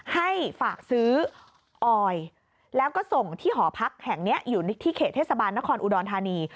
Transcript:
ให้ฝากซื้อออยแล้วก็ส่งที่หอพักแห่งนี้อยู่ที่เขตเทศบาลนครอุดรธานี